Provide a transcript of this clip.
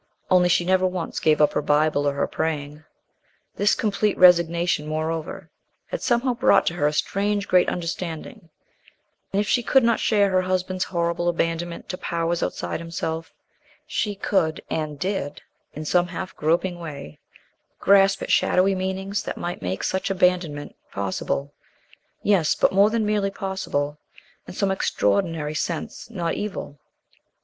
Only she never once gave up her Bible or her praying. This complete resignation, moreover, had somehow brought to her a strange great understanding, and if she could not share her husband's horrible abandonment to powers outside himself, she could, and did, in some half groping way grasp at shadowy meanings that might make such abandonment possible, yes, but more than merely possible in some extraordinary sense not evil.